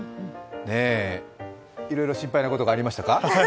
ええ、いろいろ心配なことがありましたか？